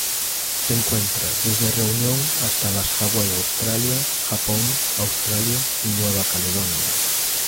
Se encuentra desde Reunión hasta las Hawaii Australia, Japón, Australia y Nueva Caledonia.